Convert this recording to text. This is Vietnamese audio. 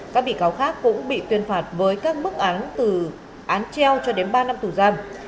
các bị cáo khác cũng bị tuyên phạt với các mức án từ án treo cho đến ba năm tù giam